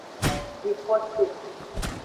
Jixose.